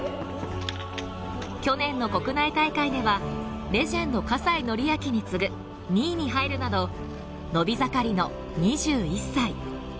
去年の国内大会では、レジェンド・葛西紀明に次ぐ２位に入るなど、伸び盛りの２１歳。